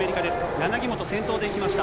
柳本、先頭でいきました。